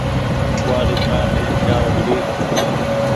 ڪوُوآڙي ڪآ لين جآرو ڇي۔